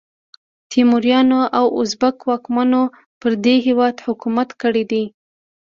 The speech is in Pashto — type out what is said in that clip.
تیموریانو او ازبک واکمنو پر دې هیواد حکومت کړی دی.